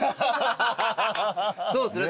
そうですね